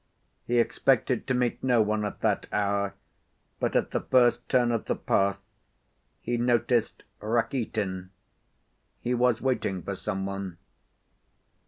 He expected to meet no one at that hour, but at the first turn of the path he noticed Rakitin. He was waiting for some one.